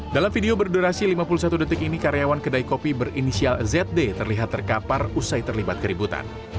dalam video berdurasi lima puluh satu detik ini karyawan kedai kopi berinisial zd terlihat terkapar usai terlibat keributan